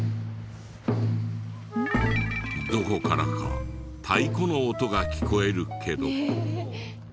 どこからか太鼓の音が聞こえるけど。